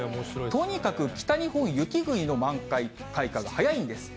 とにかく北日本、雪国の満開、開花が早いんです。